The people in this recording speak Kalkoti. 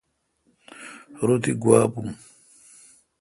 رو تی گوا بون۔